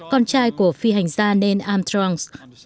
con trai của phi hình gia ned armstrong